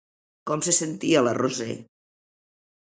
Com se sentia la Roser?